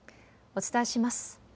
お伝えします。